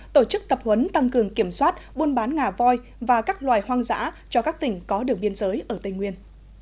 tổ chức tập huấn tăng cường kiểm soát buôn bán ngà voi và các loài hoang dã cho các tỉnh có đường biên giới ở tây nguyên